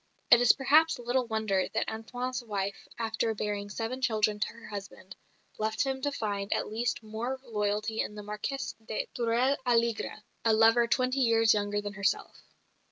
It is perhaps little wonder that Antoine's wife, after bearing seven children to her husband, left him to find at least more loyalty in the Marquess of Tourel Alégre, a lover twenty years younger than herself.